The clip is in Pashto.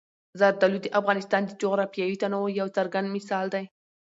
زردالو د افغانستان د جغرافیوي تنوع یو څرګند مثال دی.